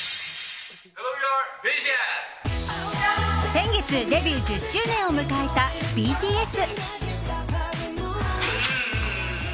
先月、デビュー１０周年を迎えたＢＴＳ。